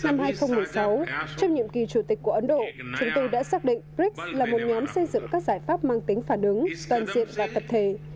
năm hai nghìn một mươi sáu trong nhiệm kỳ chủ tịch của ấn độ chúng tôi đã xác định brics là một nhóm xây dựng các giải pháp mang tính phản ứng toàn diện và tập thể